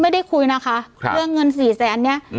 ไม่ได้คุยนะคะค่ะเพื่องเงินสี่แสนนี้อืม